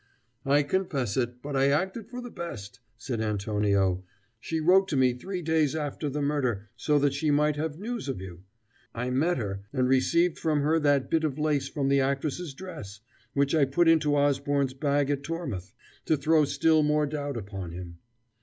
"I confess it, but I acted for the best," said Antonio. "She wrote to me three days after the murder, so that she might have news of you. I met her, and received from her that bit of lace from the actress's dress which I put into Osborne's bag at Tormouth, to throw still more doubt upon him.